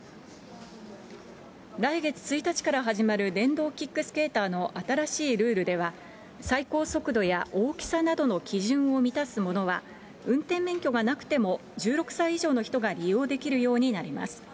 来月１日から始まる電動キックスケーターの新しいルールでは、最高速度や大きさなどの基準を満たすものは、運転免許がなくても１６歳以上の人が利用できるようになります。